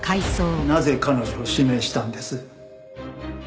なぜ彼女を指名したんです？